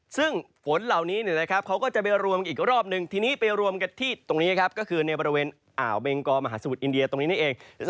ซึ่งฝนเหล่านี้เขาก็จะไปรวมอีกรอบนึงทีนี้ไปรวมกันที่ตรงนี้ครับก็คือในบริเวณอ่าวเบงกอมหาสมุทรอินเดียตรงนี้นี่เอง